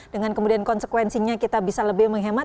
dengan kemudian konsekuensinya kita bisa lebih menghemat